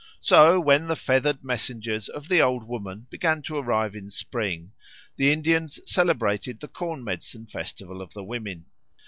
So when the feathered messengers of the Old Woman began to arrive in spring the Indians celebrated the corn medicine festival of the women.